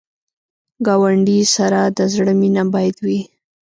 ګاونډي سره د زړه مینه باید وي